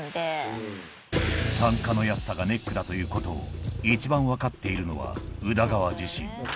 単価の安さがネックだということを一番分かっているのは宇田川自身